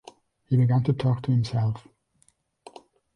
He began to talk to himself.